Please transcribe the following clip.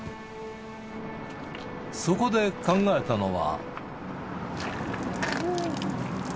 そこで考えたのは。